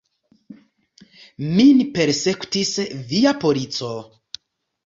Min persekutis via polico.